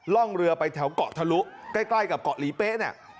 ร่องเรือไปแถวเกาะทะลุใกล้กับเกาะหลีเป๊ะเนี่ย